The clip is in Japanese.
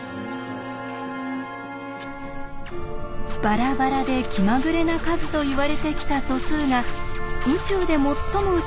バラバラで気まぐれな数といわれてきた素数が宇宙で最も美しい形を表すπと関係がある。